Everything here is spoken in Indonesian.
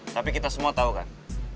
tapi kita semua tahu kan